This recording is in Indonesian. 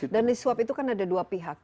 dan di suap itu kan ada dua pihak